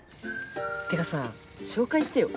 てかさ紹介してよ